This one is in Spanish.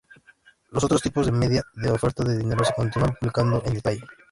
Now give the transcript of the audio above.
Los otros tipos de medida de oferta de dinero se continúan publicando en detalle.